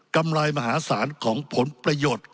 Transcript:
ำไรมหาศาลของผลประโยชน์